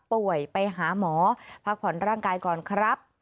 ไปหาหมอพักผ่อนร่างกายก่อนครับ